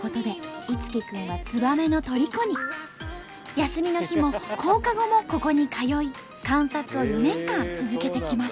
休みの日も放課後もここに通い観察を２年間続けてきました。